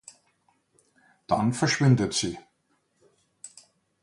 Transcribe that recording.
Dann verschwindet sie.